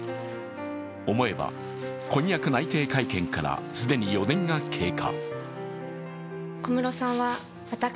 思えば婚約内定会見から既に４年が経過。